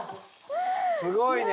すごいね！